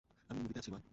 আমি মুভিতে আছি, মা।